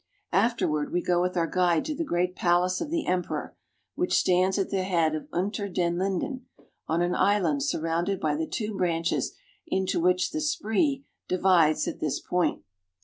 Afterward we go with our guide to the great palace of the emperor, which stands at the head of Unter den Linden, on an island surrounded by the two branches into which the Spree divides at this point.